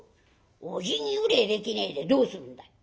おじぎぐれえできねえでどうするんだ。